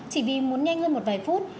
chỉ vì muốn nhanh hơn một vài phút